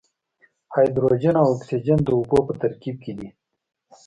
هایدروجن او اکسیجن د اوبو په ترکیب کې دي.